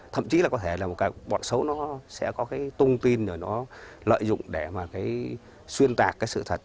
thậm chí là có thể là một bọn xấu nó sẽ có cái thông tin rồi nó lợi dụng để mà xuyên tạc sự thật